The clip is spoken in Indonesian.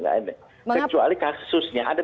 kecuali kasusnya ada